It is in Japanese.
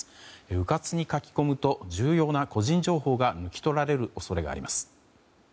うかつに書き込むと重要な個人情報が抜き取られる恐れがあります。